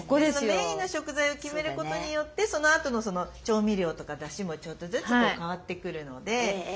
メインの食材を決めることによってそのあとの調味料とかだしもちょっとずつ変わってくるので。